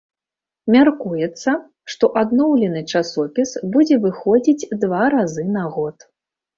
Мяркуецца, што адноўлены часопіс будзе выходзіць два разы на год.